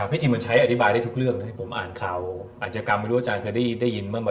พี่จิมวาชัยอธิบายได้ทุกเรื่องผมอ่านคลาวอาจกรรมไม่รู้ว่าอาจารย์เคยได้ยินบ้าง